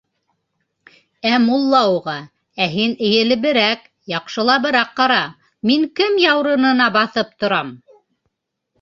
Ә мулла уға: «Ә һин эйелеберәк, яҡшылабыраҡ ҡара: мин кем яурынына баҫып торам?»